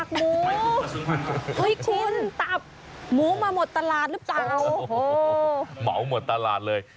หมูมาหมดตลาดหรือเปล่าโอ้โหหมเมาหมดตลาดเลย